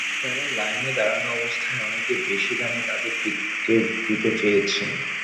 তাঁরা লাইনে দাঁড়ানো অবস্থায় অনেকে বেশি দামে তাঁদের টিকিট দিতে চেয়েছেন।